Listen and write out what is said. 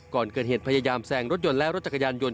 ก่อนเกิดเหตุพยายามแซงรถยนต์และรถจักรยานยนต